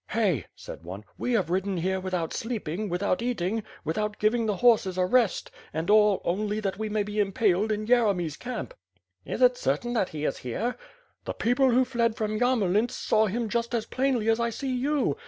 "Hey," said one, "we have ridden here without sleeping, without eating, without giving the horses a rest, and all, only that we may be impaled in Yeremy^s camp." "Is it certain that he is here?" "The people who fled from Yarmolints saw him just as plainly as I see you.